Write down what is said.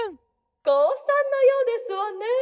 「こうさんのようですわね。